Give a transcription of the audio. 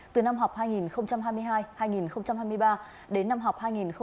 từ năm học hai nghìn hai mươi hai hai nghìn hai mươi ba đến năm học hai nghìn hai mươi hai nghìn hai mươi năm